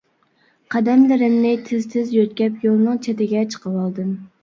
قەدەملىرىمنى تىز-تىز يۆتكەپ يولنىڭ چېتىگە چىقىۋالدىم.